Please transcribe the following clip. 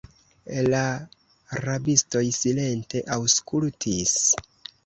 La rabistoj silente aŭskultis.